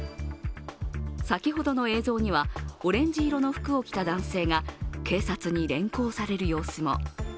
先ほどの映像にはオレンジ色の服を着た男性が警察に連行される様子も。